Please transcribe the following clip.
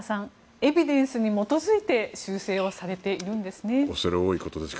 エビデンスに基づいて修正されているんですね。